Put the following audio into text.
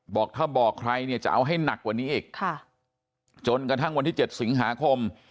บอกถ้าบอกใครเนี่ยจะเอาให้หนักกว่านี้อีกจนกระทั่งวันที่๗สิงหาคม